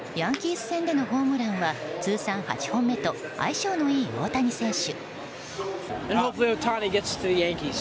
ヤンキース戦でのホームランは通算８本目と相性のいい大谷選手。